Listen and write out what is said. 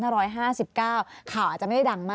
สวัสดีค่ะคุณผู้ชมค่ะเห็นหัวอะไรกันครับ